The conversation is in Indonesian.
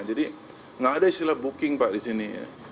jadi tidak ada istilah booking pak di sini